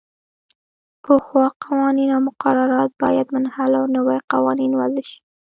پخوا قوانین او مقررات باید منحل او نوي قوانین وضعه شي.